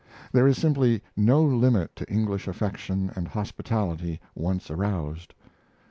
There is simply no limit to English affection and, hospitality once aroused.